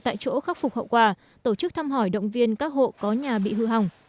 tại chỗ khắc phục hậu quả tổ chức thăm hỏi động viên các hộ có nhà bị hư hỏng